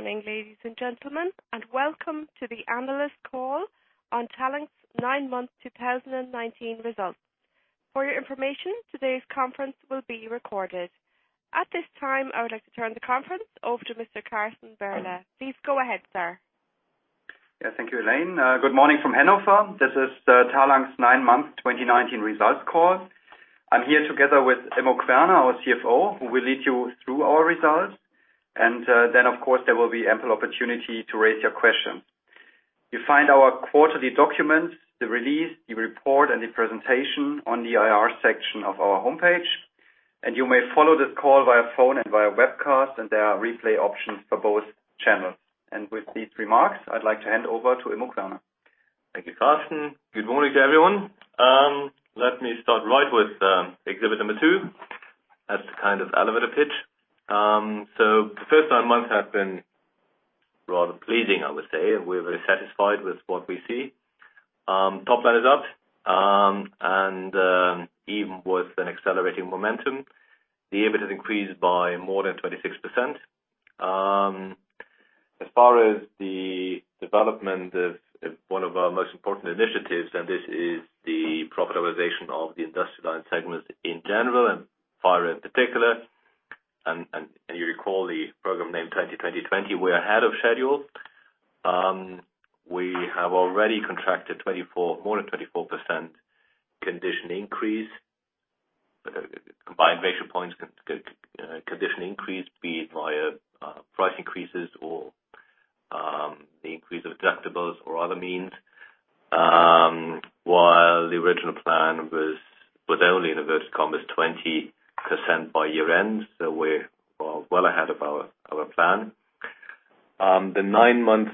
Good morning, ladies and gentlemen, welcome to the analyst call on Talanx nine-month 2019 results. For your information, today's conference will be recorded. At this time, I would like to turn the conference over to Mr. Carsten Werle. Please go ahead, sir. Thank you, Elaine. Good morning from Hannover. This is Talanx 9-month 2019 results call. I am here together with Immo Querner, our CFO, who will lead you through our results. Then, of course, there will be ample opportunity to raise your question. You find our quarterly documents, the release, the report, and the presentation on the IR section of our homepage. You may follow this call via phone and via webcast, and there are replay options for both channels. With these remarks, I would like to hand over to Immo Querner. Thank you, Carsten. Good morning to everyone. Let me start right with exhibit number two as the kind of elevator pitch. The first nine months have been rather pleasing, I would say. We're very satisfied with what we see. Top line is up, and even with an accelerating momentum, the EBIT has increased by more than 26%. As far as the development of one of our most important initiatives, this is the profit optimization of the Industrial Segment in general and fire in particular. You recall the program name 20/20/20, we're ahead of schedule. We have already contracted more than 24% condition increase, combined ratio points condition increase, be it via price increases or the increase of deductibles or other means. While the original plan was only, in inverted commas, 20% by year-end, we're well ahead of our plan. The nine-month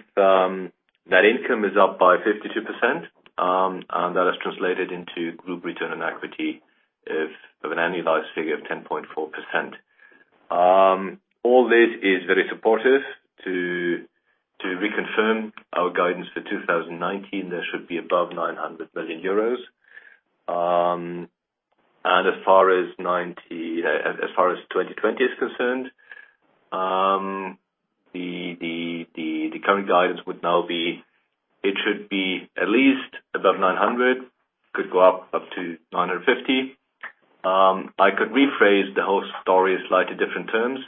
net income is up by 52%, that has translated into group return on equity of an annualized figure of 10.4%. All this is very supportive to reconfirm our guidance for 2019. That should be above 900 million euros. As far as 2020 is concerned, the current guidance it should be at least above 900 million, could go up to 950 million. I could rephrase the whole story in slightly different terms.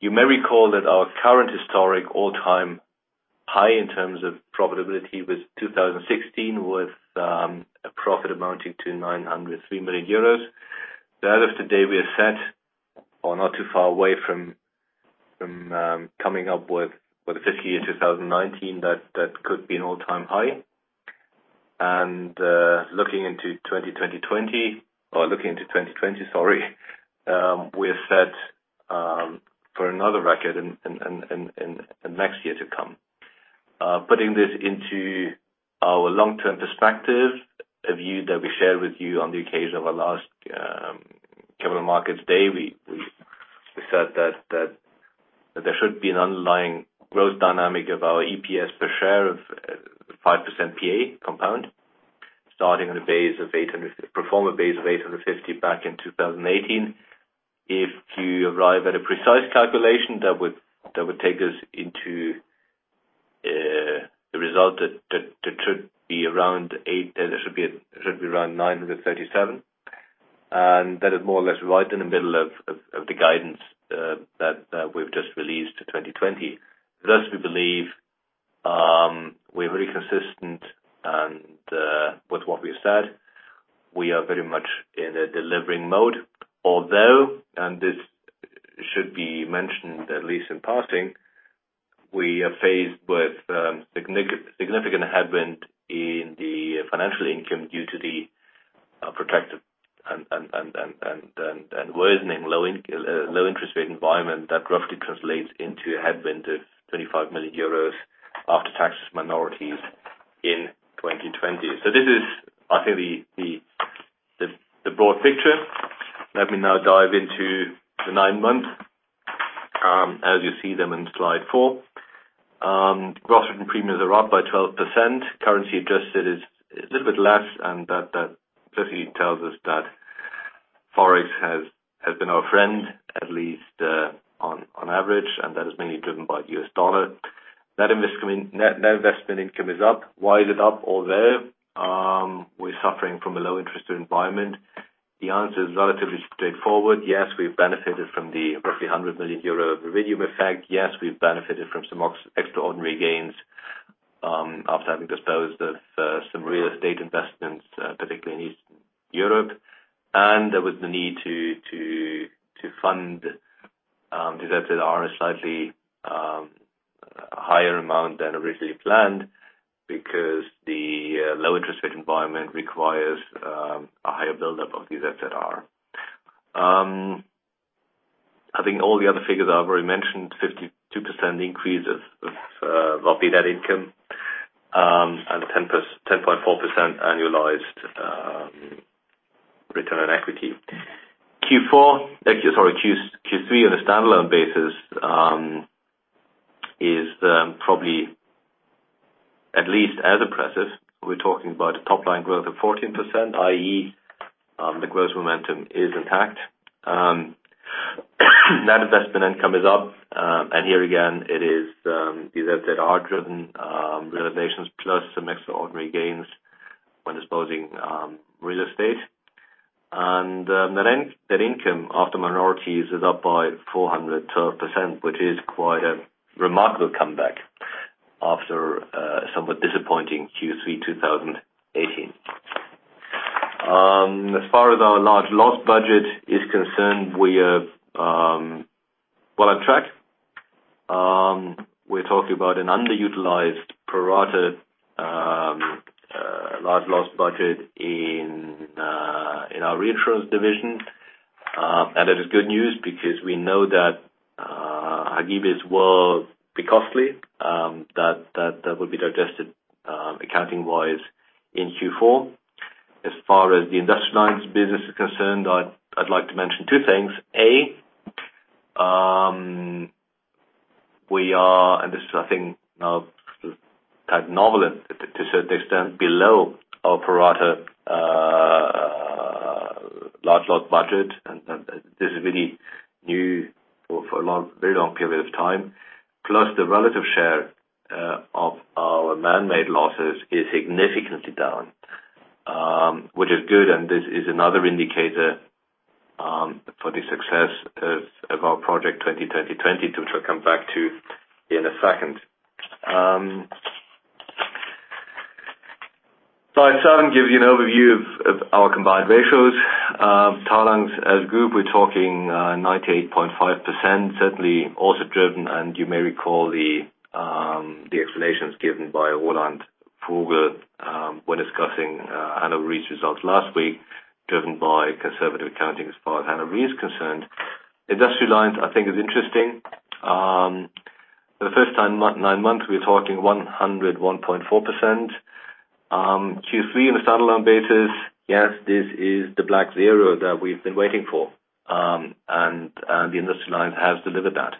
You may recall that our current historic all-time high in terms of profitability was 2016, with a profit amounting to 903 million euros. That as of today, we are set or not too far away from coming up with a fiscal year 2019 that could be an all-time high. Looking into 2020, we're set for another record in next year to come. Putting this into our long-term perspective, a view that we shared with you on the occasion of our last capital markets day, we said that there should be an underlying growth dynamic of our EPS per share of 5% PA compound, starting on a pro forma base of 850 back in 2018. If you arrive at a precise calculation, that would take us into the result that should be around 937. That is more or less right in the middle of the guidance that we've just released to 2020. Thus, we believe we're very consistent with what we have said. We are very much in a delivering mode, although, and this should be mentioned at least in passing, we are faced with significant headwind in the financial income due to the protracted and worsening low interest rate environment that roughly translates into a headwind of 25 million euros after tax minorities in 2020. This is, I think, the broad picture. Let me now dive into the nine months, as you see them in slide four. Gross written premiums are up by 12%. Currency adjusted is a little bit less, and that certainly tells us that Forex has been our friend, at least on average, and that is mainly driven by the US dollar. Net investment income is up. Why is it up or there? We're suffering from a low interest rate environment. The answer is relatively straightforward. Yes, we've benefited from the roughly 100 million euro Viridium effect. Yes, we've benefited from some extraordinary gains after having disposed of some real estate investments, particularly in Eastern Europe. There was the need to fund these ZZR slightly higher amount than originally planned because the low interest rate environment requires a higher buildup of these ZZR. Having all the other figures I've already mentioned, 52% increase of operating net income, and 10.4% annualized return on equity. Q3 on a standalone basis is probably at least as impressive. We're talking about top-line growth of 14%, i.e., the growth momentum is intact. Net investment income is up. Here again, it is these ZZR-driven reservations plus some extraordinary gains when disposing real estate. Net income after minorities is up by 400%, which is quite a remarkable comeback after a somewhat disappointing Q3 2018. As far as our large loss budget is concerned, we are well on track. We're talking about an underutilized pro rata large loss budget in our Reinsurance division. That is good news because we know that Hagibis will be costly, that will be digested accounting-wise in Q4. As far as the Industrial Lines business is concerned, I'd like to mention two things. A, we are, and this is, I think, now sort of novel in to a certain extent, below our pro rata large loss budget. This is really new for a very long period of time. The relative share of our manmade losses is significantly down, which is good, and this is another indicator for the success of our Project 20/20/20, which I'll come back to in a second. Slide seven gives you an overview of our combined ratios. Talanx as a group, we're talking 98.5%, certainly also driven, and you may recall the explanations given by Roland Vogel when discussing Hannover Re's results last week, driven by conservative accounting as far as Hannover Re is concerned. Industrial Lines, I think is interesting. For the first nine months, we're talking 101.4%. Q3 on a standalone basis, yes, this is the black zero that we've been waiting for. The Industrial Lines has delivered that.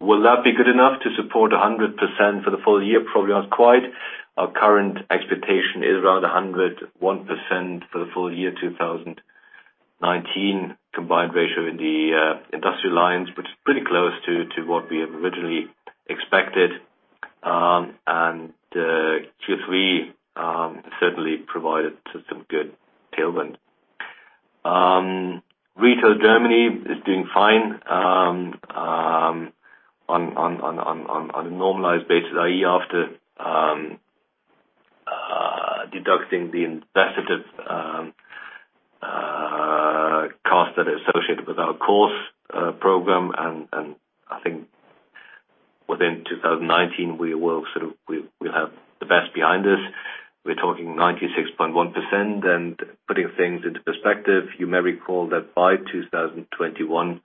Will that be good enough to support 100% for the full year? Probably not quite. Our current expectation is around 101% for the full year 2019 combined ratio in the Industrial Lines, which is pretty close to what we originally expected. Q3 certainly provided some good tailwind. Retail Germany is doing fine. On a normalized basis, i.e., after deducting the invested cost that is associated with our KuRS program, and I think within 2019, we will have the best behind us. We're talking 96.1%. Putting things into perspective, you may recall that by 2021,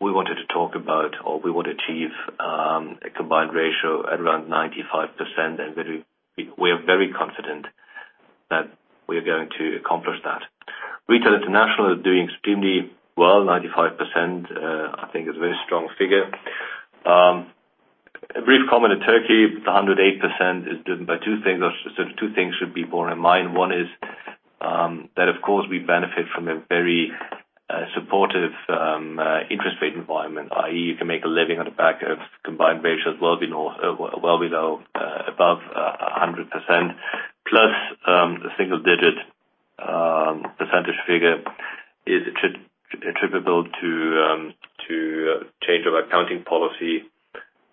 we wanted to talk about or we want to achieve a combined ratio at around 95%, and we are very confident that we are going to accomplish that. Retail International is doing extremely well, 95%, I think is a very strong figure. A brief comment on Turkey, the 108% is driven by two things, or two things should be borne in mind. One is that, of KuRS, we benefit from a very supportive interest rate environment, i.e., you can make a living on the back of combined ratios well below above 100%, plus, the single-digit percentage figure is attributable to a change of accounting policy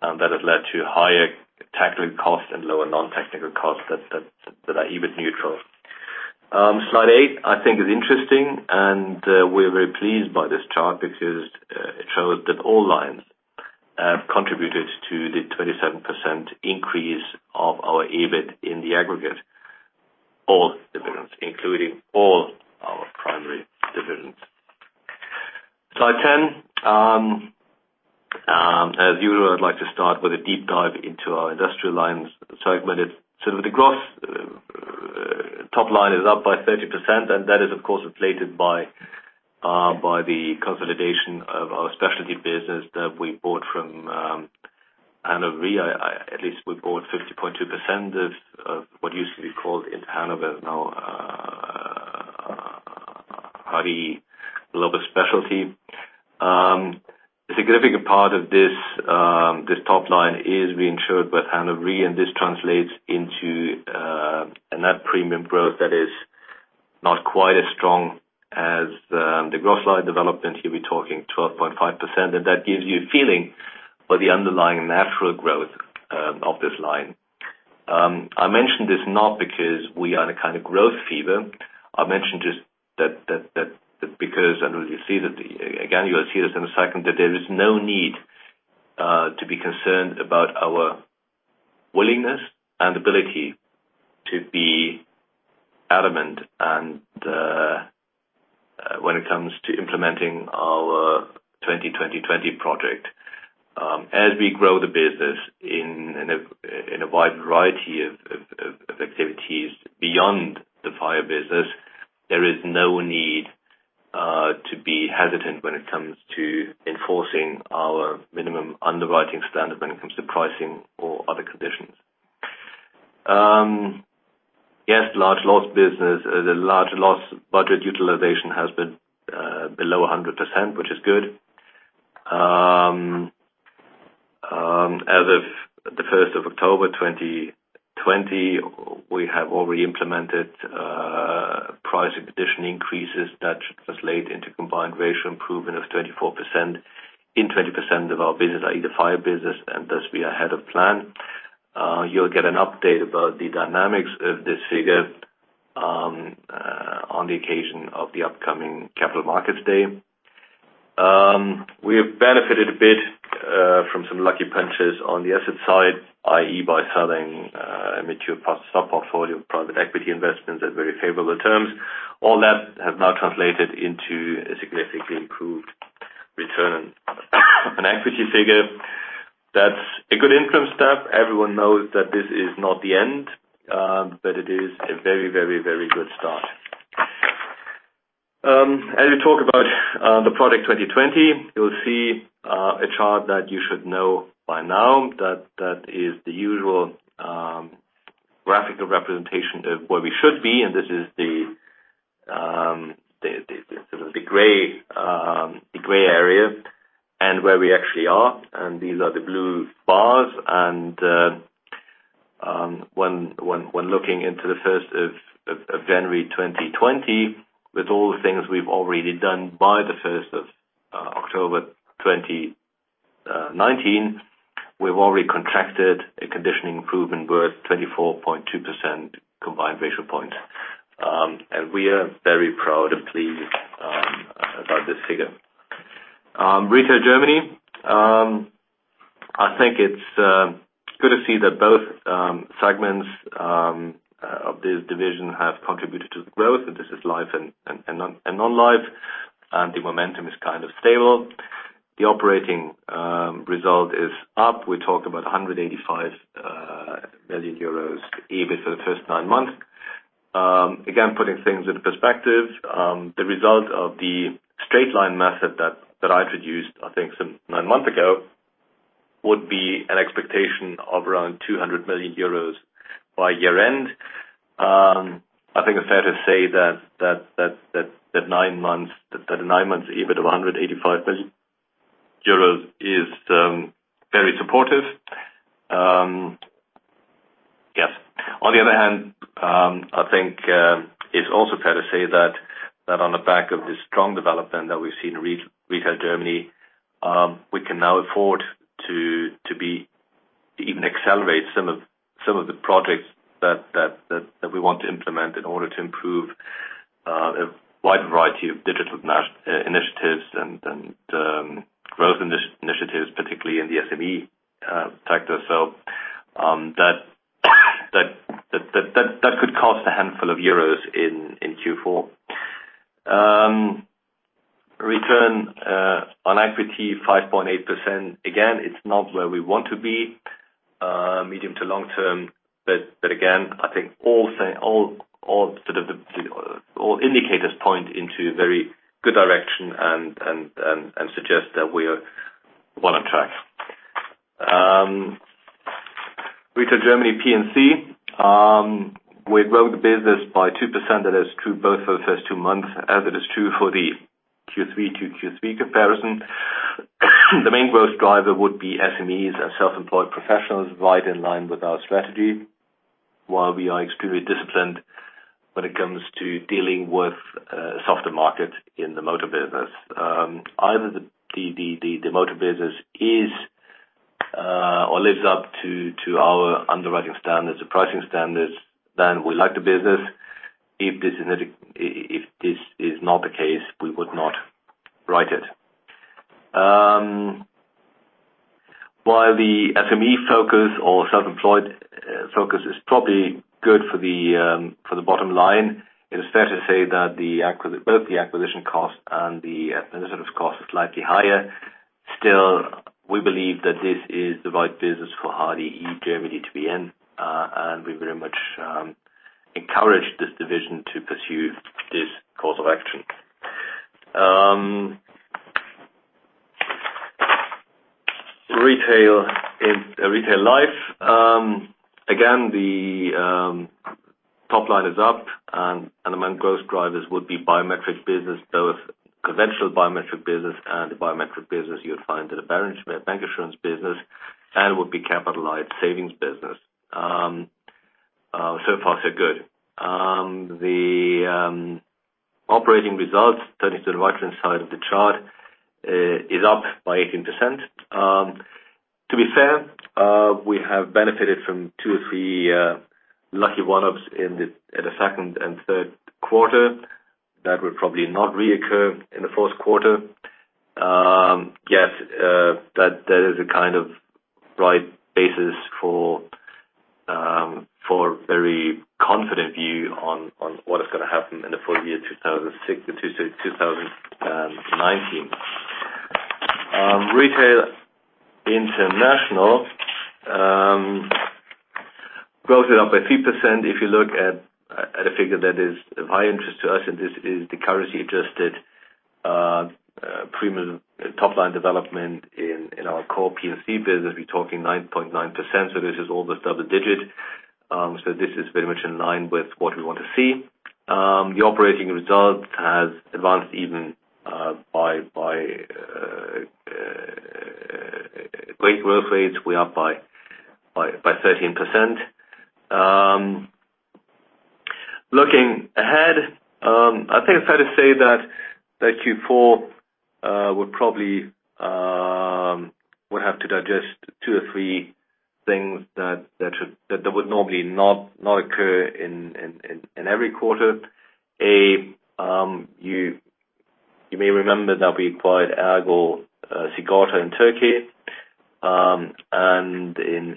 that has led to higher technical costs and lower non-technical costs that are EBIT neutral. Slide eight, I think is interesting, and we're very pleased by this chart because it shows that all lines have contributed to the 27% increase of our EBIT in the aggregate. All divisions, including all our primary divisions. Slide 10. As usual, I'd like to start with a deep dive into our Industrial Lines segmented. The gross top line is up by 30%, and that is of KuRS, inflated by the consolidation of our specialty business that we bought from Hannover Re. At least we bought 50.2% of what used to be called Inter Hannover, now HDI Global Specialty. A significant part of this top line is reinsured with Hannover Re, and this translates into a net premium growth that is not quite as strong as the growth line development. Here we're talking 12.5%, and that gives you a feeling for the underlying natural growth of this line. I mentioned this not because we are in a kind of growth fever. I mentioned just that because, and you'll see this in a second, that there is no need to be concerned about our willingness and ability to be adamant. When it comes to implementing our 20/20/20 project, as we grow the business in a wide variety of activities beyond the fire business, there is no need to be hesitant when it comes to enforcing our minimum underwriting standard when it comes to pricing or other conditions. Yes, large loss business. The large loss budget utilization has been below 100%, which is good. As of the 1st of October 2020, we have already implemented price and condition increases that should translate into combined ratio improvement of 24% in 20% of our business, i.e., the fire business, and thus we are ahead of plan. You'll get an update about the dynamics of this figure on the occasion of the upcoming capital markets day. We have benefited a bit from some lucky punches on the asset side, i.e., by selling a mature sub-portfolio of private equity investments at very favorable terms. All that has now translated into a significantly improved return on equity figure. That's a good interim step. Everyone knows that this is not the end, but it is a very good start. As we talk about the Project 2020, you'll see a chart that you should know by now. That is the usual graphical representation of where we should be. This is the gray area and where we actually are, and these are the blue bars. When looking into the 1st of January 2020, with all the things we've already done by the 1st of October 2019, we've already contracted a conditioning improvement worth 24.2% combined ratio point. We are very proud and pleased about this figure. Retail Germany. I think it's good to see that both segments of this division have contributed to the growth, and this is life and non-life, and the momentum is kind of stable. The operating result is up. We talk about 185 million euros EBIT for the first nine months. Again, putting things into perspective, the result of the straight line method that I introduced, I think some nine months ago, would be an expectation of around 200 million euros by year-end. I think it's fair to say that the nine months EBIT of 185 million euros is very supportive. Yes. On the other hand, I think it is also fair to say that on the back of this strong development that we have seen in Retail Germany, we can now afford to even accelerate some of the projects that we want to implement in order to improve a wide variety of digital initiatives and growth initiatives, particularly in the SME sector. That could cost a handful of euros in Q4. Return on equity 5.8%. Again, it is not where we want to be medium to long term, again, I think all indicators point into very good direction and suggest that we are well on track. Retail Germany P&C. We grew the business by 2%. That is true both for the first two months as it is true for the Q3 to Q3 comparison. The main growth driver would be SMEs and self-employed professionals right in line with our strategy, while we are extremely disciplined when it comes to dealing with softer markets in the motor business. Either the motor business is or lives up to our underwriting standards, the pricing standards, then we like the business. If this is not the case, we would not write it. While the SME focus or self-employed focus is probably good for the bottom line, it is fair to say that both the acquisition cost and the administrative cost is slightly higher. Still, we believe that this is the right business for HDI Germany to be in, and we very much encourage this division to pursue this course of action. Retail Life. The top line is up, and among growth drivers would be biometric business, both conventional biometric business and the biometric business you would find in a bank assurance business, and would be capitalized savings business. Far, so good. The operating results, turning to the right-hand side of the chart, is up by 18%. To be fair, we have benefited from two or three lucky one-offs in the second and third quarter. That will probably not reoccur in the fourth quarter. That is a kind of right basis for very confident view on what is going to happen in the full year 2019. Retail International, growth is up by 3%. If you look at a figure that is of high interest to us, and this is the currency-adjusted premium top-line development in our core P&C business, we're talking 9.9%. This is almost double digit. This is very much in line with what we want to see. The operating results has advanced even by great growth rates. We're up by 13%. Looking ahead, I think it's fair to say that Q4 would probably have to digest two or three things that would normally not occur in every quarter. You may remember that we acquired ERGO Sigorta in Turkey.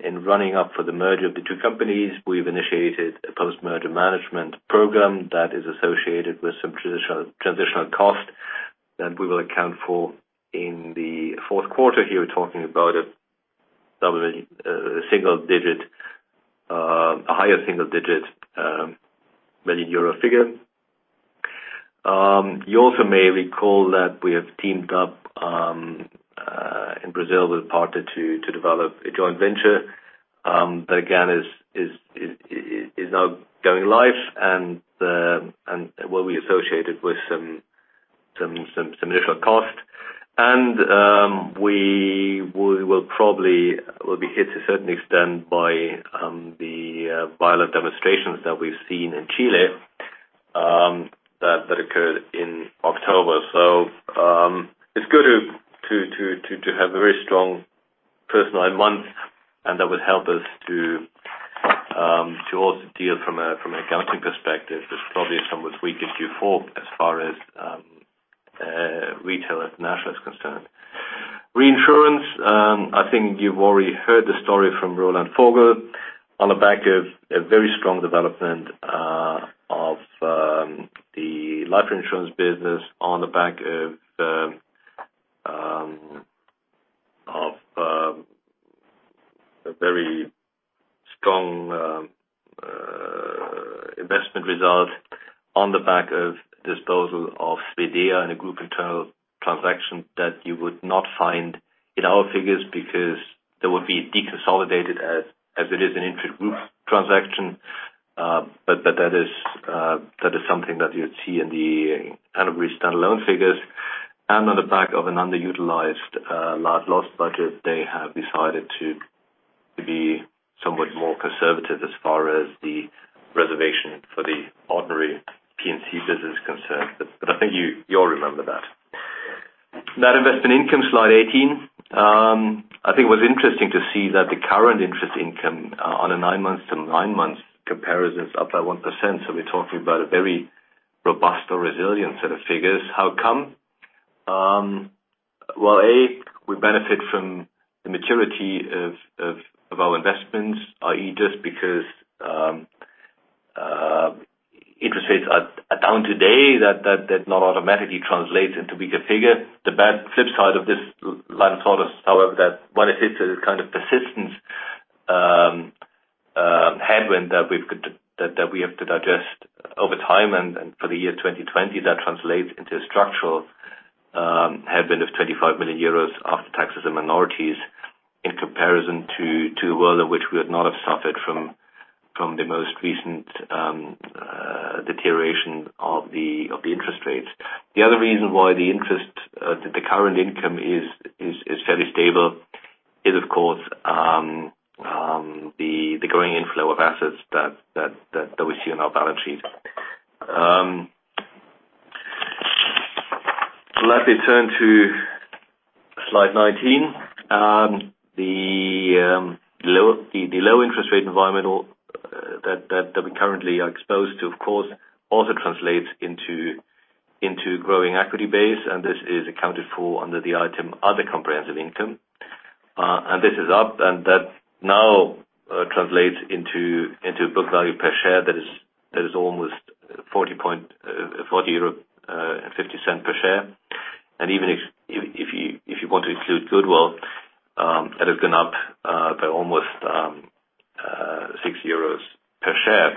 In running up for the merger of the two companies, we've initiated a post-merger management program that is associated with some transitional cost that we will account for in the fourth quarter here. We're talking about a higher single-digit million EUR figure. You also may recall that we have teamed up in Brazil with [Santander] to develop a joint venture. That again is now going live and will be associated with some initial cost. We will be hit to a certain extent by the violent demonstrations that we've seen in Chile, that occurred in October. It's good to have a very strong first nine months, and that would help us to also deal from a accounting perspective. There's probably some what we did Q4 as far as Retail International is concerned. Reinsurance. I think you've already heard the story from Roland Vogel on the back of a very strong development of the life insurance business on the back of a very strong investment result on the back of disposal of Fidea and a group internal transaction that you would not find in our figures because they would be deconsolidated as it is an intragroup transaction. That is something that you would see in the Hannover Re stand-alone figures. On the back of an underutilized large loss budget, they have decided to be somewhat more conservative as far as the reservation for the ordinary P&C business is concerned. I think you all remember that. Net investment income, slide 18. I think it was interesting to see that the current interest income on a nine months to nine months comparison is up by 1%. We're talking about a very robust or resilient set of figures. How come? Well, A, we benefit from the maturity of our investments, i.e., just because interest rates are down today, that does not automatically translate into bigger figure. The bad flip side of this line of thought is, however, that what it is persistent headwind that we have to digest over time. For the year 2020, that translates into a structural headwind of 25 million euros after taxes and minorities in comparison to a world in which we would not have suffered from the most recent deterioration of the interest rates. The other reason why the current income is fairly stable is, of KuRS, the growing inflow of assets that we see on our balance sheet. Let me turn to slide 19. The low interest rate environment that we currently are exposed to, of KuRS, also translates into growing equity base, and this is accounted for under the item other comprehensive income. This is up, and that now translates into book value per share that is almost 40.50 euro per share. Even if you want to include goodwill, that has gone up by almost 6 euros per share.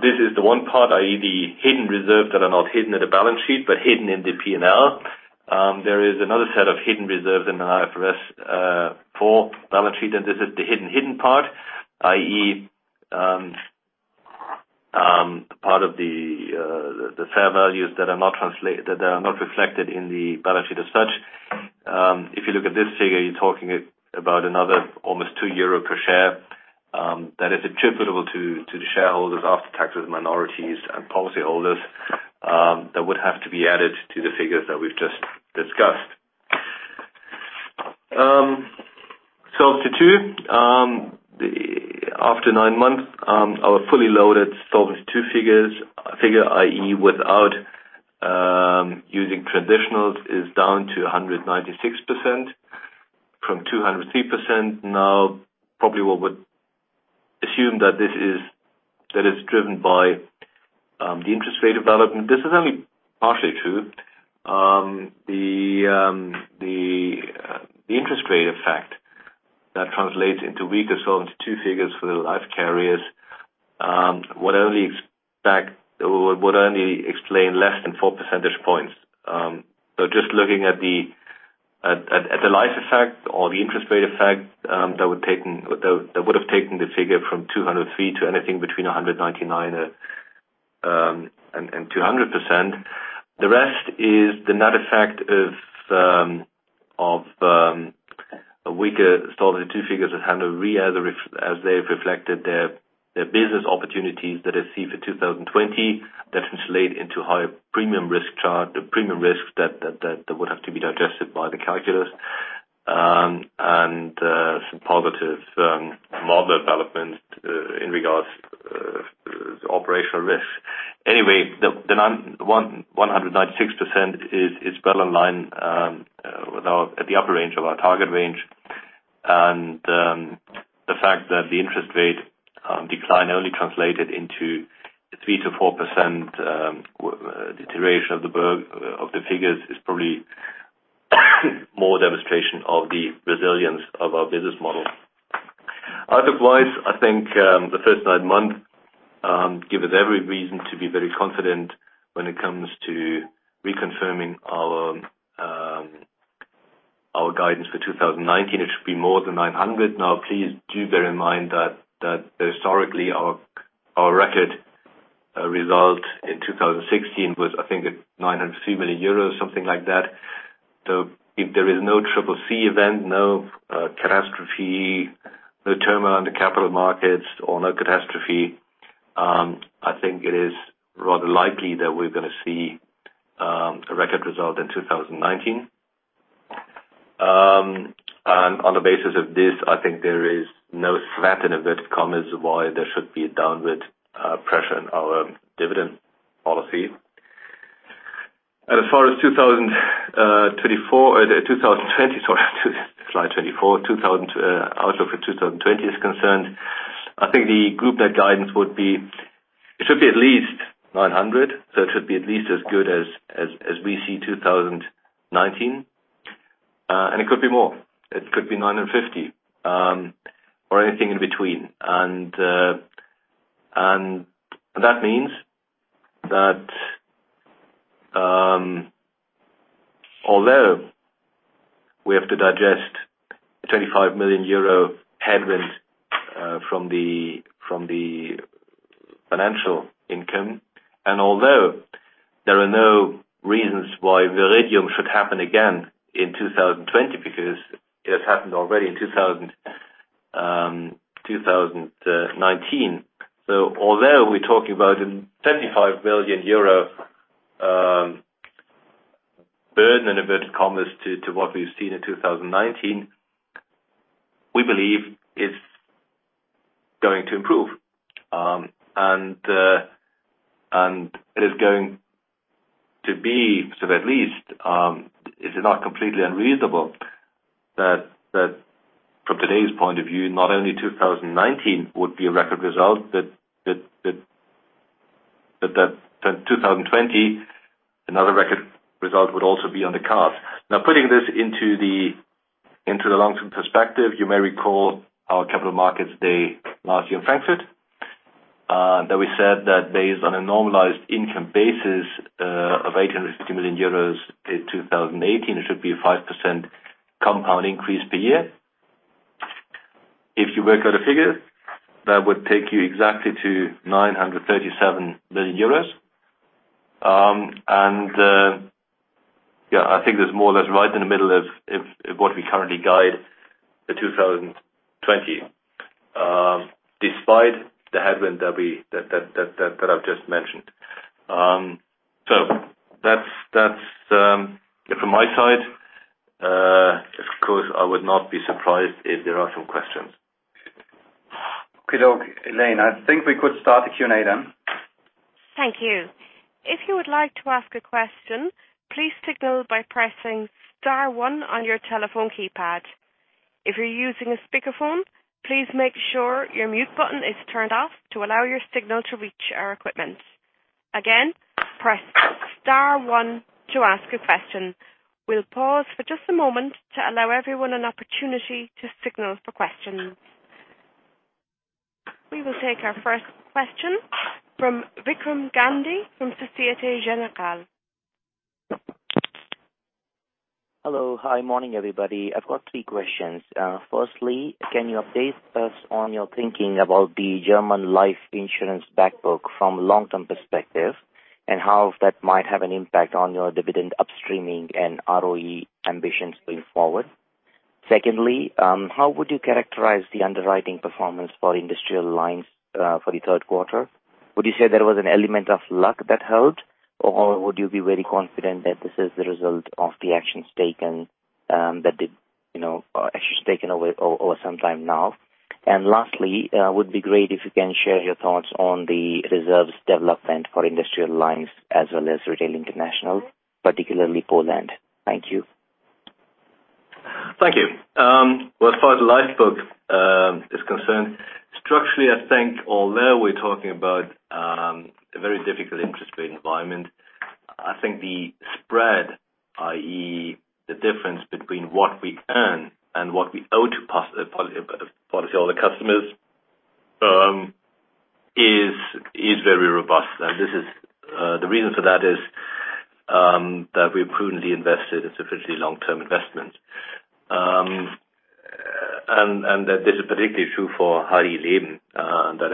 This is the one part, i.e., the hidden reserve that are not hidden at a balance sheet, but hidden in the P&L. There is another set of hidden reserves in the IFRS 4 balance sheet, this is the hidden part, i.e., part of the fair values that are not reflected in the balance sheet as such. If you look at this figure, you're talking about another almost 2 euro per share that is attributable to the shareholders after taxes, minorities, and policyholders, that would have to be added to the figures that we've just discussed. Solvency II. After nine months, our fully loaded Solvency II figure, i.e., without using transitionals, is down to 196% from 203%. Probably what would assume that it's driven by the interest rate development. This is only partially true. The interest rate effect that translates into weaker Solvency II figures for the life carriers would only explain less than four percentage points. Just looking at the life effect or the interest rate effect, that would have taken the figure from 203% to anything between 199% and 200%. The rest is the net effect of a weaker Solvency II figures at Hannover Re as they've reflected their business opportunities that they see for 2020. That translate into higher premium risk charge, the premium risk that would have to be digested by the calculus, and some positive model development in regards to operational risk. Anyway, the 196% is well in line at the upper range of our target range. The fact that the interest rate decline only translated into 3%-4% deterioration of the figures is probably more demonstration of the resilience of our business model. Otherwise, I think the first nine months give us every reason to be very confident when it comes to reconfirming our guidance for 2019. It should be more than 900. Please do bear in mind that historically, our record result in 2016 was, I think, 903 million euros, something like that. If there is no CCC event, no catastrophe, no turmoil on the capital markets or no catastrophe, I think it is rather likely that we're going to see a record result in 2019. On the basis of this, I think there is no threat, in inverted commas, why there should be a downward pressure on our dividend policy. As far as outlook for 2020 is concerned, I think the group net guidance, it should be at least 900. It should be at least as good as we see 2019. It could be more. It could be 950 or anything in between. That means that although we have to digest a 25 million euro headwind from the financial income, and although there are no reasons why Viridium should happen again in 2020, because it has happened already in 2019. Although we're talking about a 75 million euro burden, in inverted commas, to what we've seen in 2019, we believe it's going to improve. It is going to be, at least, it is not completely unreasonable that from today's point of view, not only 2019 would be a record result, that 2020, another record result would also be on the cards. Now, putting this into the long-term perspective, you may recall our capital markets day last year in Frankfurt, that we said that based on a normalized income basis of 850 million euros in 2018, it should be a 5% compound increase per year. If you work out the figures, that would take you exactly to 937 million euros. I think that's more or less right in the middle of what we currently guide for 2020, despite the headwind that I've just mentioned. That's it from my side. Of KuRS, I would not be surprised if there are some questions. Okay. Elaine, I think we could start the Q&A then. Thank you. If you would like to ask a question, please signal by pressing star one on your telephone keypad. If you're using a speakerphone, please make sure your mute button is turned off to allow your signal to reach our equipment. Again, press star one to ask a question. We'll pause for just a moment to allow everyone an opportunity to signal for questions. We will take our first question from Vikram Gandhi from Societe Generale. Hello. Hi morning, everybody. I've got three questions. Firstly, can you update us on your thinking about the German life insurance back book from long-term perspective, and how that might have an impact on your dividend upstreaming and ROE ambitions going forward? Secondly, how would you characterize the underwriting performance for industrial lines for the third quarter? Would you say there was an element of luck that helped, or would you be very confident that this is the result of the actions taken over some time now? Lastly, would be great if you can share your thoughts on the reserves development for industrial lines as well as Retail International, particularly Poland. Thank you. Thank you. Well, as far as the life book is concerned, structurally, I think although we're talking about a very difficult interest rate environment, I think the spread, i.e., the difference between what we earn and what we owe to policyholder customers, is very robust. The reason for that is that we prudently invested. It's officially long-term investment. That this is particularly true for HDI Leben. That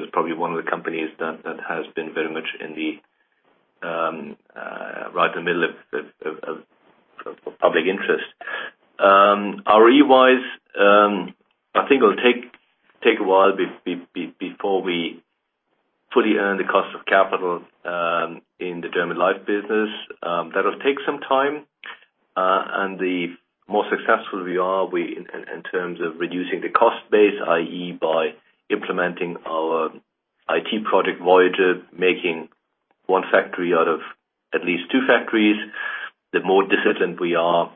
is probably one of the companies that has been very much right in the middle of public interest. ROE-wise, I think it'll take a while before we fully earn the cost of capital in the German life business. That'll take some time. The more successful we are in terms of reducing the cost base, i.e., by implementing our IT project Voyager, making one factory out of at least two factories. The more disciplined we are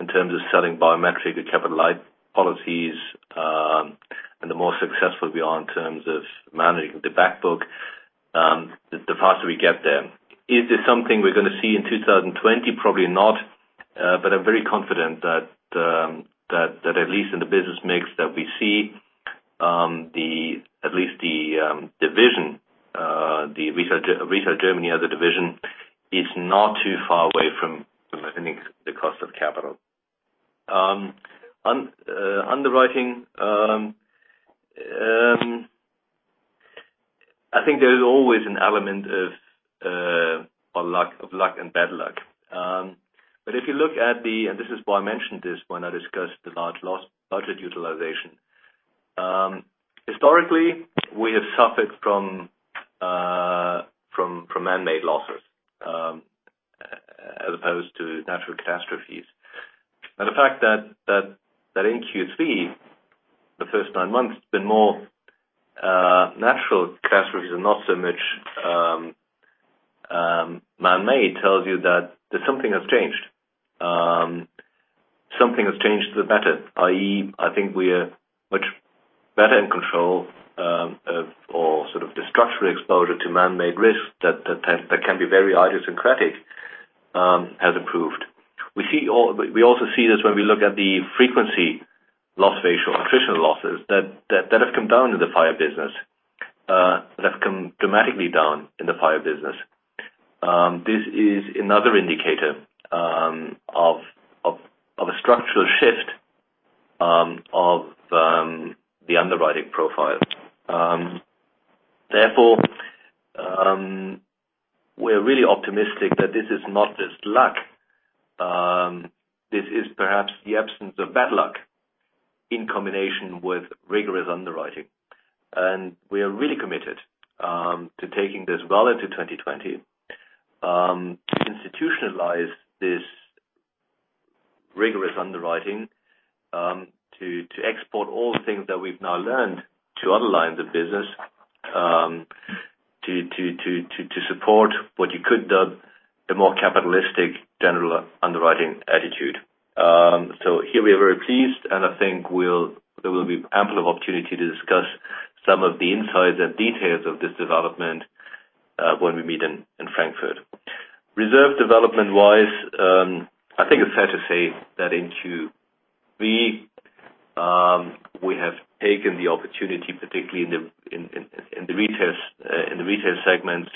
in terms of selling biometric and capital life policies, and the more successful we are in terms of managing the back book, the faster we get there. Is this something we're going to see in 2020? Probably not. I'm very confident that at least in the business mix that we see, at least the division, Retail Germany as a division, is not too far away from lessening the cost of capital. Underwriting, I think there is always an element of luck and bad luck. This is why I mentioned this when I discussed the large loss budget utilization. Historically, we have suffered from man-made losses as opposed to natural catastrophes. The fact that in Q3, the first nine months, there's been more natural catastrophes and not so much man-made, tells you that something has changed. Something has changed for the better, i.e., I think we are much better in control of the structural exposure to man-made risks that can be very idiosyncratic, has improved. We also see this when we look at the frequency loss ratio, attritional losses, that have come down in the fire business. That have come dramatically down in the fire business. This is another indicator of a structural shift of the underwriting profile. We're really optimistic that this is not just luck. This is perhaps the absence of bad luck in combination with rigorous underwriting. We are really committed to taking this well into 2020. To institutionalize this rigorous underwriting. To export all the things that we've now learned to other lines of business. To support what you could dub the more capitalistic general underwriting attitude. Here we are very pleased, and I think there will be ample opportunity to discuss some of the insights and details of this development when we meet in Frankfurt. Reserve development-wise, I think it's fair to say that in Q3, we have taken the opportunity, particularly in the retail segment,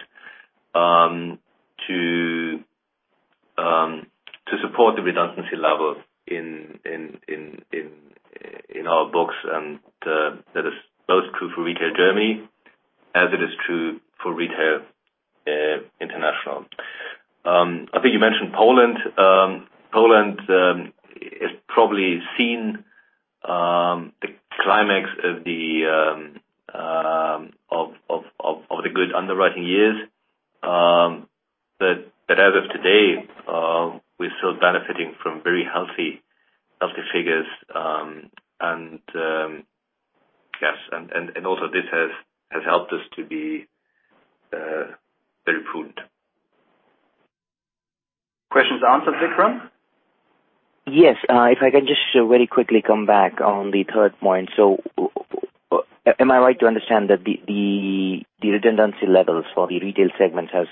to support the redundancy level in our books. That is both true for Retail Germany as it is true for Retail International. I think you mentioned Poland. Poland has probably seen the climax of the good underwriting years. As of today, we're still benefiting from very healthy figures. Also, this has helped us to be very prudent. Questions answered, Vikram? Yes. If I can just very quickly come back on the third point. Am I right to understand that the redundancy levels for the retail segment has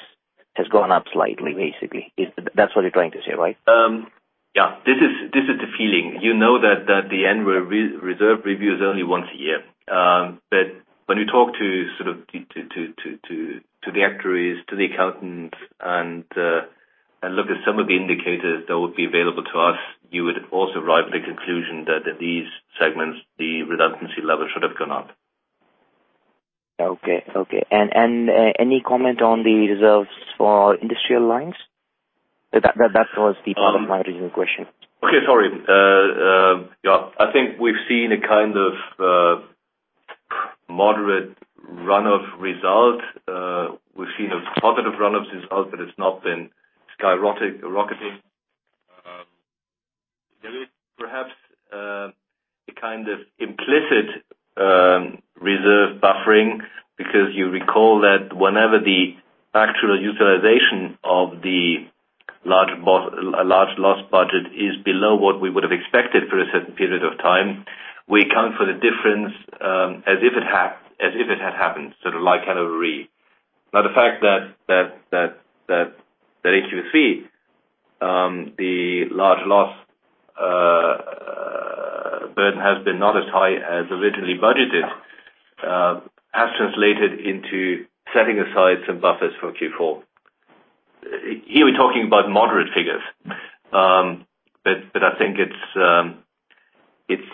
gone up slightly, basically? That's what you're trying to say, right? Yeah. This is the feeling. You know that the annual reserve review is only once a year. When you talk to the actuaries, to the accountants, and look at some of the indicators that would be available to us, you would also arrive at the conclusion that these segments, the redundancy level should have gone up. Okay. Any comment on the reserves for Industrial Lines? That was the part of my original question. Okay. Sorry. I think we've seen a kind of moderate runoff result. We've seen a positive runoff result, it's not been skyrocketing. There is perhaps a kind of implicit reserve buffering, because you recall that whenever the actual utilization of the large loss budget is below what we would have expected for a certain period of time, we account for the difference as if it had happened, sort of like. The fact that at Q3, the large loss burden has been not as high as originally budgeted, has translated into setting aside some buffers for Q4. Here, we're talking about moderate figures, but I think it's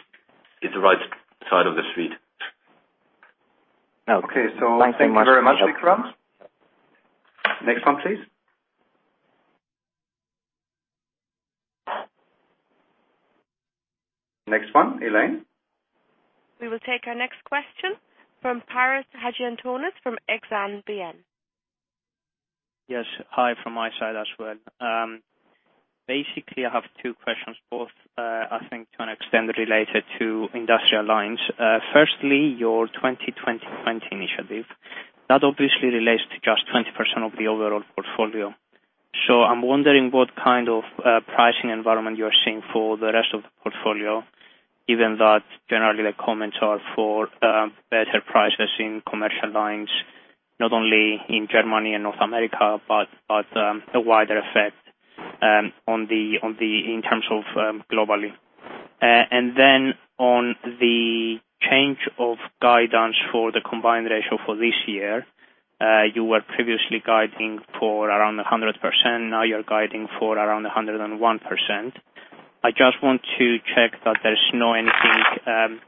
the right side of the street. Okay. Thank you very much, Vikram. Next one, please. Next one, Elaine. We will take our next question from Paris Hadjiantonis from Exane BNP. Yes. Hi from my side as well. Basically, I have two questions, both, I think to an extent, related to industrial lines. Firstly, your 2020 Initiative. That obviously relates to just 20% of the overall portfolio. I am wondering what kind of pricing environment you are seeing for the rest of the portfolio, given that generally the comments are for better prices in commercial lines, not only in Germany and North America, but a wider effect in terms of globally. On the change of guidance for the combined ratio for this year. You were previously guiding for around 100%. Now you are guiding for around 101%. I just want to check that there is not anything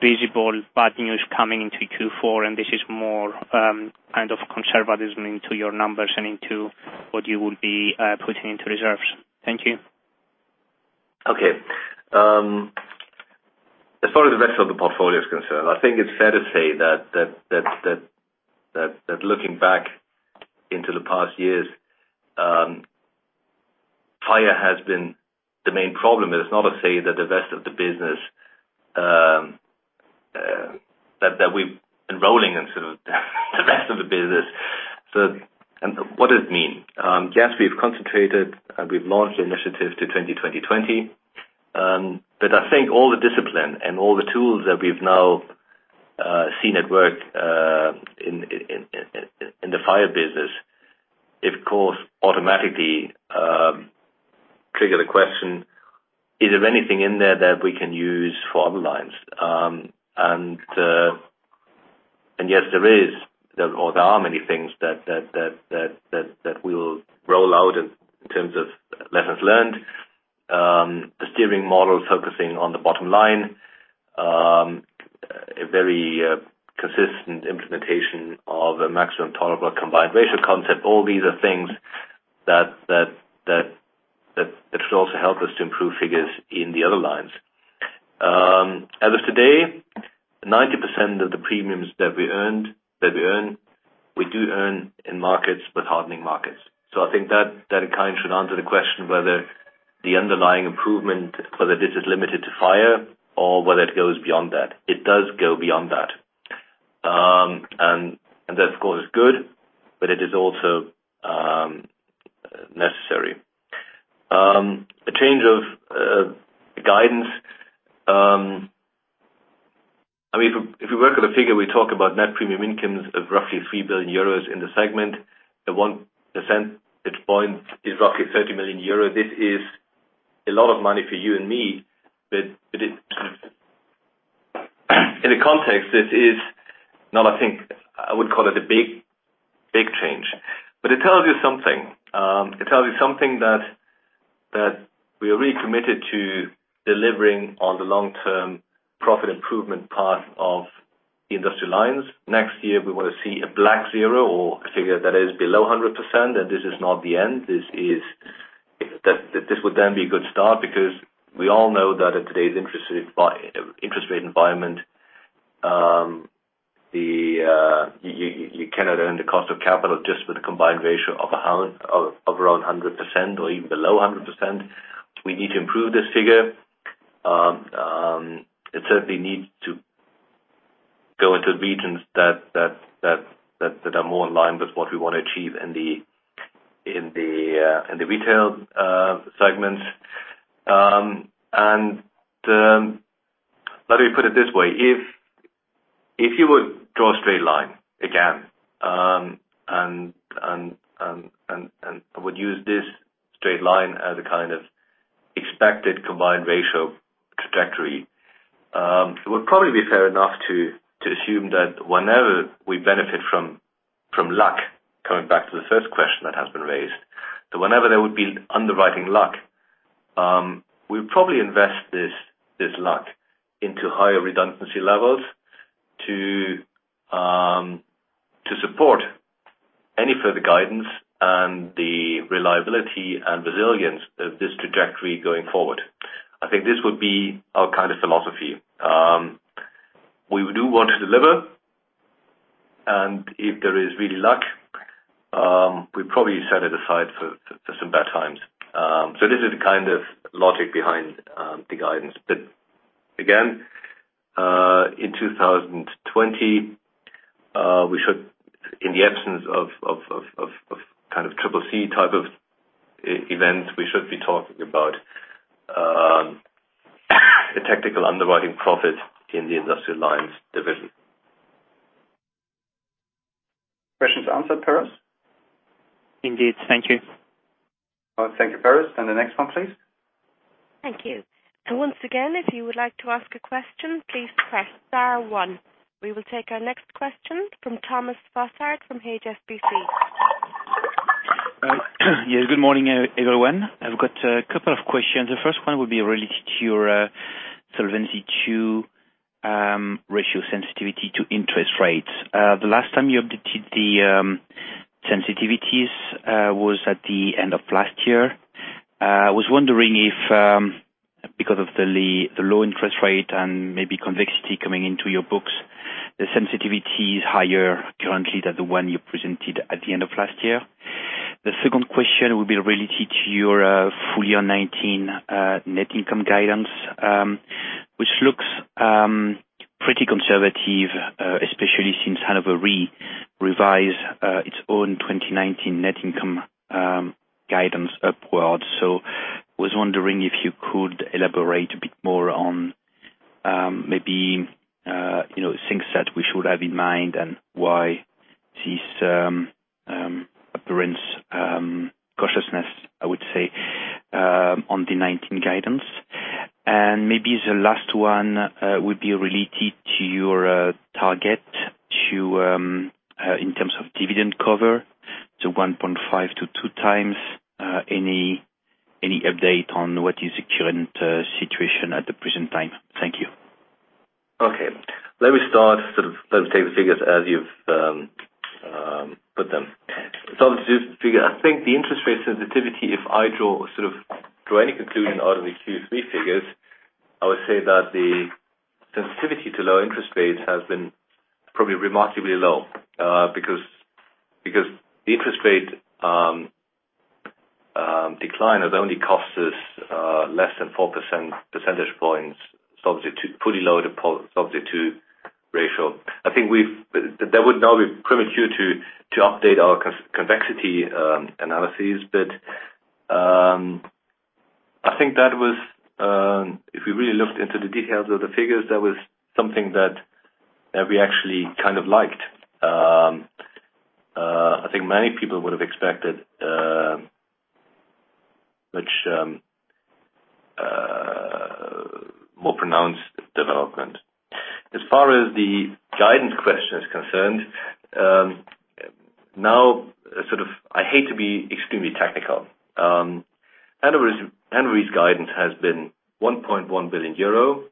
visible bad news coming into Q4, and this is more, kind of conservatism into your numbers and into what you will be putting into reserves. Thank you. Okay. As far as the rest of the portfolio is concerned, I think it's fair to say that looking back into the past years, fire has been the main problem. It's not to say that the rest of the business, that we've been rolling in sort of the rest of the business. What does it mean? Yes, we've concentrated and we've launched Project 2020. I think all the discipline and all the tools that we've now seen at work in the fire business, of KuRS, automatically trigger the question, is there anything in there that we can use for other lines? Yes, there is. There are many things that we will roll out in terms of lessons learned. The steering model focusing on the bottom line. A very consistent implementation of a maximum tolerable combined ratio concept. All these are things that should also help us to improve figures in the other lines. As of today, 90% of the premiums that we earn, we do earn in markets with hardening markets. I think that in kind should answer the question whether the underlying improvement, whether this is limited to fire or whether it goes beyond that. It does go beyond that. That, of KuRS, is good, but it is also necessary. A change of guidance. I mean, if we work with a figure, we talk about net premium incomes of roughly 3 billion euros in the segment. The one percentage point is roughly 30 million euros. This is a lot of money for you and me, but in the context, this is not, I think, I would call it a big change. It tells you something. It tells you something that we are really committed to delivering on the long-term profit improvement part of the Industrial Lines. Next year, we want to see a black zero or a figure that is below 100%. This is not the end. This would be a good start because we all know that in today's interest rate environment, you cannot earn the cost of capital just with a combined ratio of around 100% or even below 100%. We need to improve this figure. It certainly needs to go into regions that are more in line with what we want to achieve in the Retail segment. Let me put it this way. If you would draw a straight line again, and would use this straight line as a kind of expected combined ratio trajectory, it would probably be fair enough to assume that whenever we benefit from luck, coming back to the first question that has been raised. Whenever there would be underwriting luck, we'll probably invest this luck into higher redundancy levels to support any further guidance and the reliability and resilience of this trajectory going forward. I think this would be our kind of philosophy. We do want to deliver. If there is really luck, we probably set it aside for some bad times. This is the kind of logic behind the guidance. Again, in 2020, in the absence of kind of CCC type of events, we should be talking about a technical underwriting profit in the industrial lines division. Questions answered, Paris? Indeed. Thank you. All right. Thank you, Paris. The next one, please. Thank you. Once again, if you would like to ask a question, please press star one. We will take our next question from Thomas Fossard from HSBC. Yes, good morning, everyone. I've got a couple of questions. The first one will be related to your Solvency II ratio sensitivity to interest rates. The last time you updated the sensitivities was at the end of last year. I was wondering if, because of the low interest rate and maybe convexity coming into your books, the sensitivity is higher currently than the one you presented at the end of last year. The second question will be related to your full year 2019 net income guidance, which looks pretty conservative, especially since Hannover Re revised its own 2019 net income guidance upwards. I was wondering if you could elaborate a bit more on maybe things that we should have in mind and why this apparent cautiousness, I would say, on the 2019 guidance. Maybe the last one will be related to your target in terms of dividend cover to 1.5-2 times. Any update on what is the current situation at the present time? Thank you. Okay. Let me start. Let me take the figures as you've put them. I think the interest rate sensitivity, if I draw any conclusion out of the Q3 figures, I would say that the sensitivity to low interest rates has been probably remarkably low. The interest rate decline has only cost us less than 4 percentage points, subject to fully loaded ratio. I think that would now be premature to update our convexity analyses. I think that was, if we really looked into the details of the figures, that was something that we actually kind of liked. I think many people would have expected much more pronounced development. As far as the guidance question is concerned, now, I hate to be extremely technical. Hannover Re's guidance has been 1.1 billion euro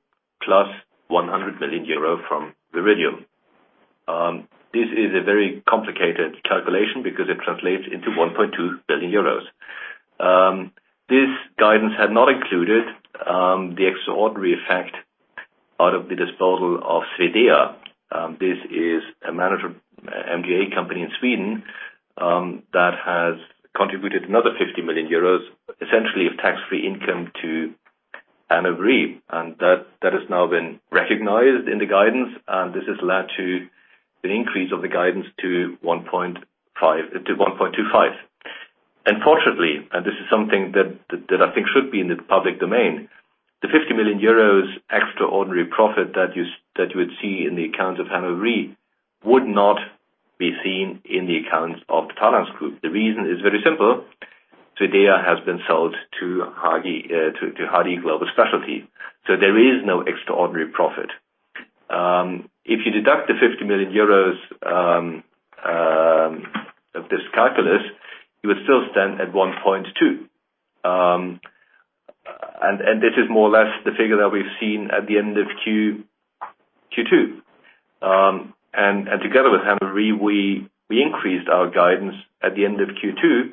plus 100 million euro from Viridium. This is a very complicated calculation because it translates into 1.2 billion euros. This guidance had not included the extraordinary effect out of the disposal of Svedea. This is a managed MGA company in Sweden that has contributed another 50 million euros, essentially of tax-free income to Hannover Re. That has now been recognized in the guidance, this has led to an increase of the guidance to 1.25. Unfortunately, this is something that I think should be in the public domain. The 50 million euros extraordinary profit that you would see in the accounts of Hannover Re would not be seen in the accounts of the Talanx Group. The reason is very simple. Svedea has been sold to HDI Global Specialty. There is no extraordinary profit. If you deduct the 50 million euros of this calculus, you would still stand at 1.2. This is more or less the figure that we've seen at the end of Q2. Together with Hannover Re, we increased our guidance at the end of Q2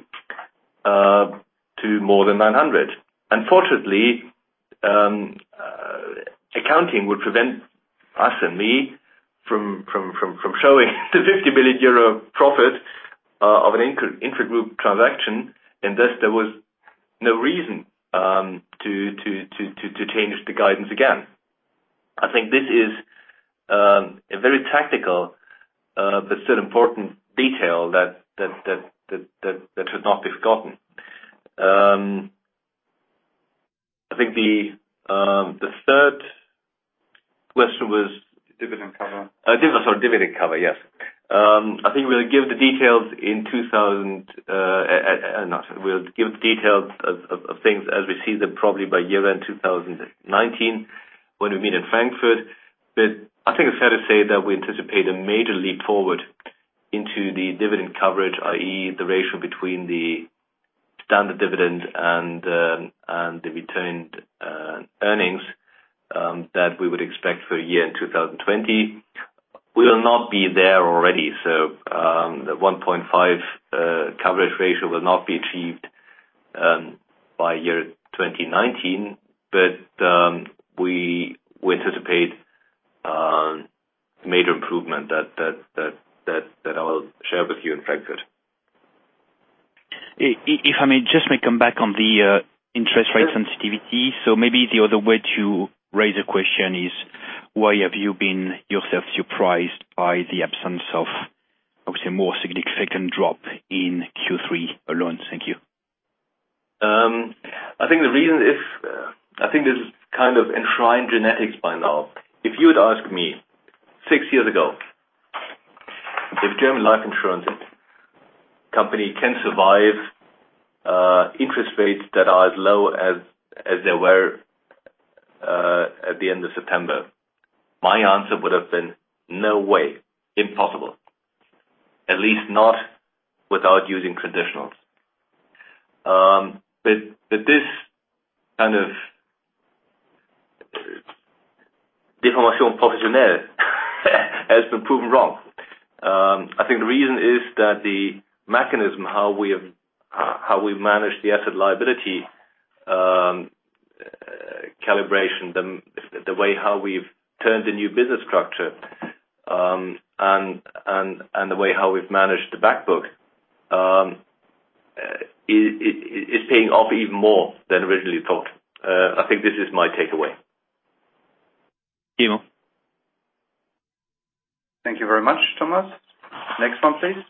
to more than 900. Unfortunately, accounting would prevent us and me from showing the 50 million euro profit of an intragroup transaction, thus there was no reason to change the guidance again. I think this is a very tactical, but still important detail that should not be forgotten. I think the third question was. Dividend cover. Dividend cover, yes. I think we'll give the details of things as we see them probably by year-end 2019 when we meet in Frankfurt. I think it's fair to say that we anticipate a major leap forward into the dividend coverage, i.e. the ratio between the standard dividend and the retained earnings, that we would expect for year-end 2020. We will not be there already. The 1.5 coverage ratio will not be achieved and by year 2019, but we anticipate a major improvement that I will share with you in Frankfurt. If I may just come back on the interest rate sensitivity. Maybe the other way to raise a question is why have you been yourself surprised by the absence of, obviously, a more significant drop in Q3 alone? Thank you. I think the reason is, I think this is kind of enshrined genetics by now. If you would ask me six years ago if German life insurance company can survive interest rates that are as low as they were at the end of September, my answer would've been, no way. Impossible. At least not without using conditionals. This kind of has been proven wrong. I think the reason is that the mechanism, how we manage the asset liability calibration, the way how we've turned the new business structure, and the way how we've managed the back book, is paying off even more than originally thought. I think this is my takeaway. Thank you. Thank you very much, Thomas. Next one please.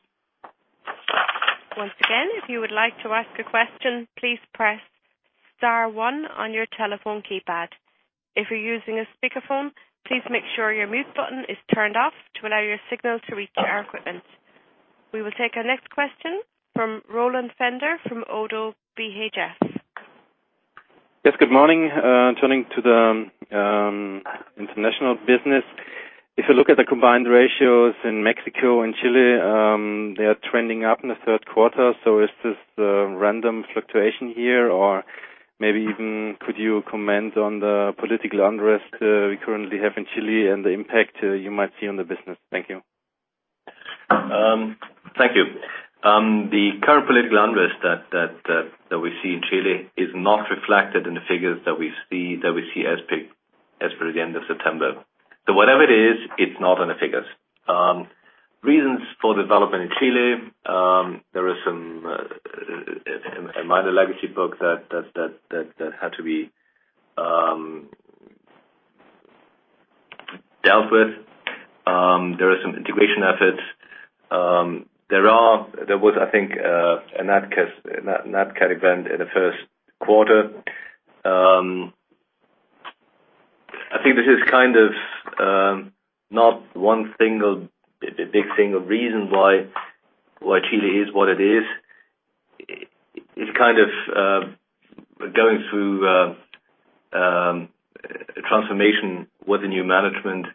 Once again, if you would like to ask a question, please press star one on your telephone keypad. If you're using a speakerphone, please make sure your mute button is turned off to allow your signal to reach our equipment. We will take our next question from Roland Pfänder from ODDO BHF. Yes, good morning. Turning to the international business. If you look at the combined ratios in Mexico and Chile, they are trending up in the third quarter. Is this a random fluctuation here, or maybe even could you comment on the political unrest we currently have in Chile and the impact you might see on the business? Thank you. Thank you. The current political unrest that we see in Chile is not reflected in the figures that we see as for the end of September. Whatever it is, it's not in the figures. Reasons for development in Chile. There is some minor legacy book that had to be dealt with. There are some integration efforts. There was, I think, a nat cat event in the first quarter. I think this is kind of not one big single reason why Chile is what it is. It's kind of going through a transformation with the new management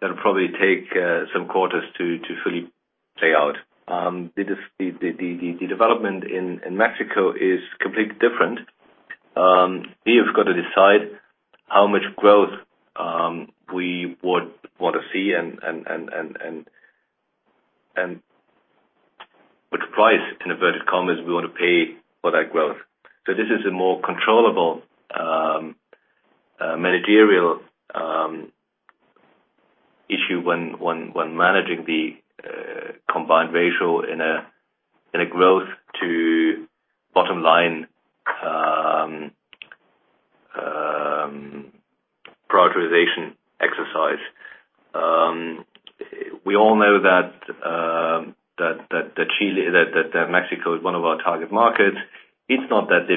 that'll probably take some quarters to fully play out. The development in Mexico is completely different. We have got to decide how much growth we would want to see and what price, in inverted commas, we want to pay for that growth. This is a more controllable managerial issue when managing the combined ratio in a growth to bottom line prioritization exercise. We all know that Mexico is one of our target markets. It's not that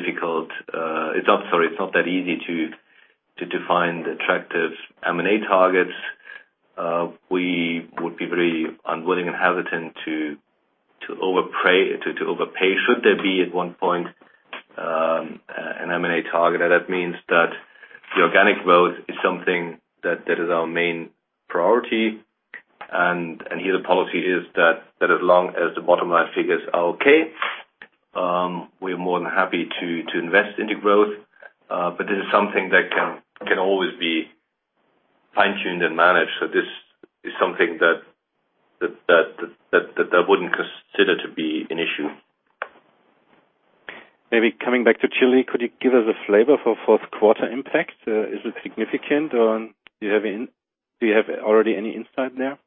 easy to define the attractive M&A targets. We would be very unwilling and hesitant to overpay, should there be, at one point, an M&A target. That means that the organic growth is something that is our main priority. Here the policy is that as long as the bottom-line figures are okay, we're more than happy to invest in the growth. This is something that can always be fine-tuned and managed. This is something that I wouldn't consider to be an issue. Maybe coming back to Chile, could you give us a flavor for fourth quarter impact? Is it significant, or do you have already any insight there?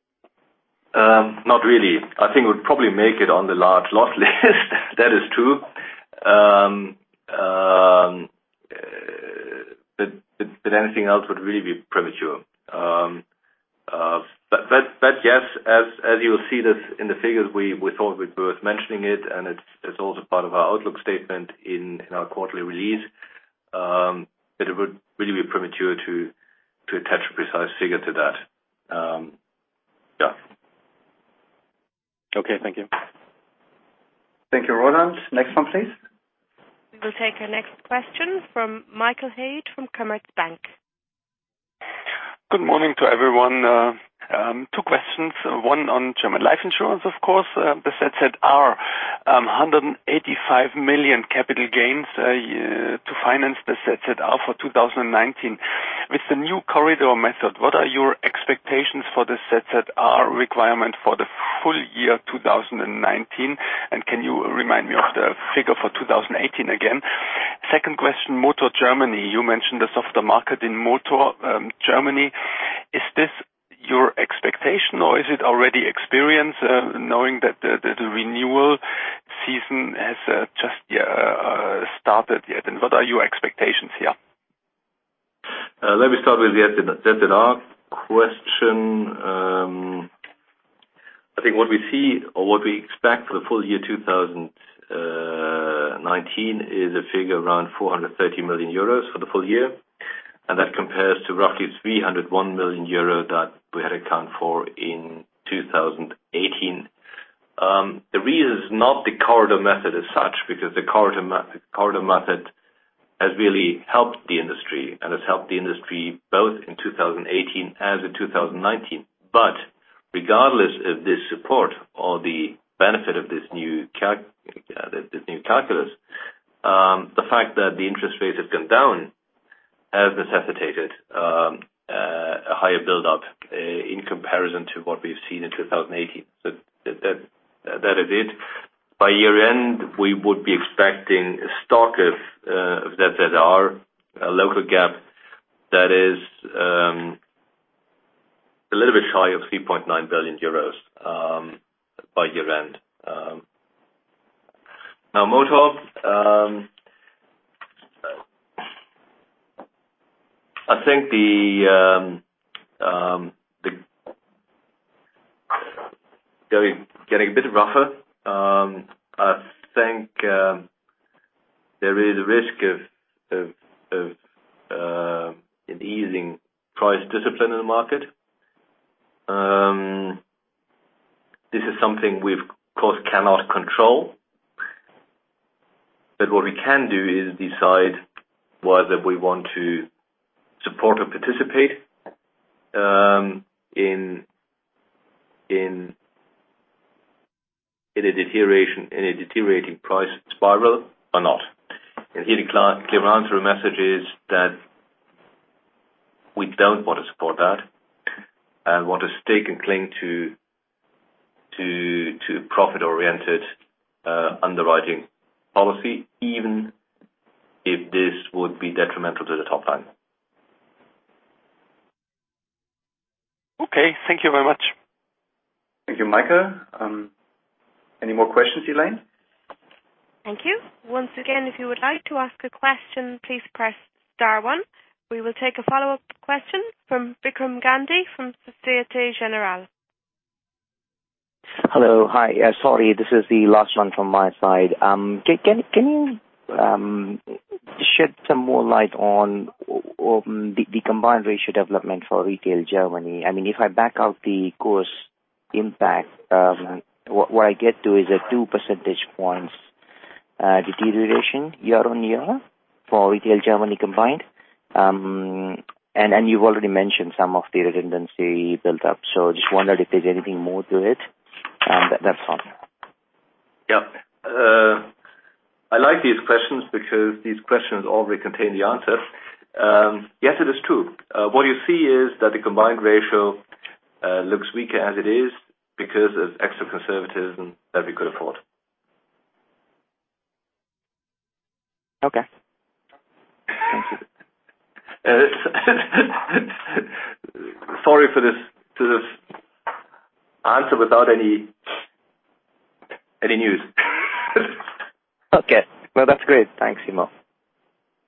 Not really. I think it would probably make it on the large loss list. That is true. Anything else would really be premature. Yes, as you will see this in the figures, we thought it was worth mentioning it, and it's also part of our outlook statement in our quarterly release, that it would really be premature to attach a precise figure to that. Yeah. Okay, thank you. Thank you, Roland. Next one, please. We will take our next question from Michael Haig from Commerzbank. Good morning to everyone. Two questions. One on German life insurance, of KuRS. The set had 185 million capital gains to finance the ZZR for 2019. With the new corridor method, what are your expectations for the ZZR requirement for the full year 2019, and can you remind me of the figure for 2018 again? Second question, motor Germany. You mentioned the softer market in motor Germany. Is this your expectation or is it already experienced, knowing that the renewal season has just started yet? What are your expectations here? Let me start with the ZZR question. I think what we see or what we expect for the full year 2019 is a figure around 430 million euros for the full year. That compares to roughly 301 million euros that we had accounted for in 2018. The reason is not the corridor method as such, because the corridor method has really helped the industry, and has helped the industry both in 2018 and in 2019. Regardless of this support or the benefit of this new calculus, the fact that the interest rates have come down has necessitated a higher buildup in comparison to what we've seen in 2018. That is it. By year-end, we would be expecting stock of ZZR, a local GAAP that is a little bit shy of 3.9 billion euros by year-end. Now motor, I think getting a bit rougher. I think there is a risk of an easing price discipline in the market. This is something we, of KuRS, cannot control. What we can do is decide whether we want to support or participate in a deteriorating price spiral or not. Here the clear answer or message is that we don't want to support that, and want to stay and cling to profit-oriented underwriting policy, even if this would be detrimental to the top line. Okay. Thank you very much. Thank you, Michael. Any more questions, Elaine? Thank you. Once again, if you would like to ask a question, please press star one. We will take a follow-up question from Vikram Gandhi from Societe Generale. Hello. Hi. Yeah, sorry, this is the last one from my side. Can you shed some more light on the combined ratio development for Retail Germany? If I back out the KuRS impact, what I get to is a two percentage points deterioration year on year for Retail Germany combined. You've already mentioned some of the redundancy built up. Just wondered if there's anything more to it. That's all. Yeah. I like these questions because these questions already contain the answer. Yes, it is true. What you see is that the combined ratio looks weaker as it is because of extra conservatism that we could afford. Okay. Thank you. Sorry for this answer without any news. Okay. No, that's great. Thanks a lot.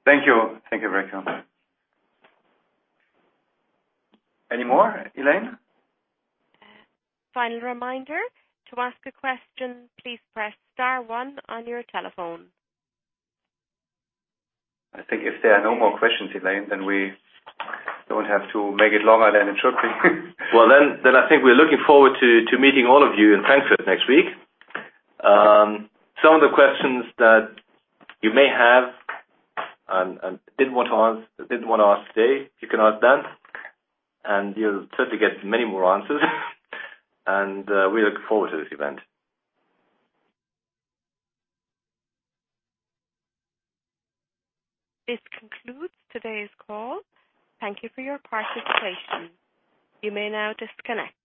Thank you. Thank you very much. Any more, Elaine? Final reminder. To ask a question, please press star one on your telephone. I think if there are no more questions, Elaine, then we don't have to make it longer than it should be. Well, I think we're looking forward to meeting all of you in Frankfurt next week. Some of the questions that you may have and didn't want to ask today, you can ask then, and you'll certainly get many more answers. We look forward to this event. This concludes today's call. Thank you for your participation. You may now disconnect.